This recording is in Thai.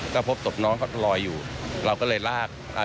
ก็พบสมน้องเขาื่อยอยู่เราก็เลยลาก